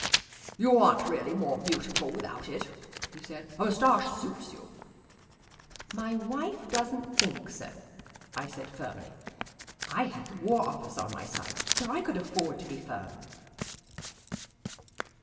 "You aren't really more beautiful without it," he said. "A moustache suits you." "My wife doesn't think so," I said firmly. I had the War Office on my side, so I could afford to be firm.